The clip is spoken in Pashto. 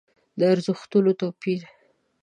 د ارزښتونو توپير.